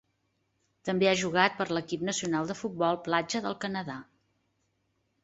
També ha jugat per a l'equip nacional de futbol platja del Canadà.